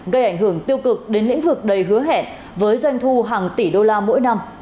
gây ảnh hưởng tiêu cực đến lĩnh vực đầy hứa hẹn với doanh thu hàng tỷ đô la mỗi năm